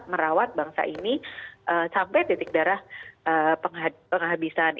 merawat bangsa ini sampai titik darah penghabisan